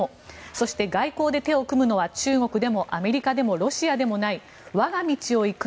そして、外交で手を組むのは中国でもアメリカでもロシアでもない、我が道を行く。